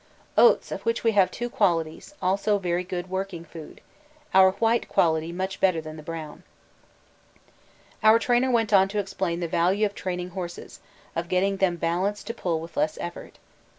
Oats, of which we have two qualities, also very good working food our white quality much better than the brown. Our trainer went on to explain the value of training horses, of getting them 'balanced' to pull with less effort.